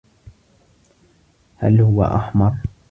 هل هو أحمر؟